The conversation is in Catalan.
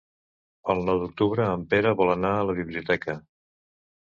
El nou d'octubre en Pere vol anar a la biblioteca.